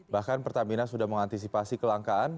bahkan pertamina sudah mengantisipasi kelangkaan